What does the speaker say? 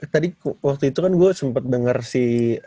tadi waktu itu kan gue sempet denger si